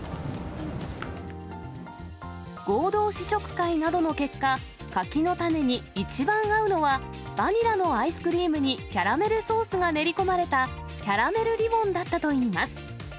合同試食会などの結果、柿の種に一番合うのは、バニラのアイスクリームにキャラメルソースが練り込まれた、キャラメルリボンだったといいます。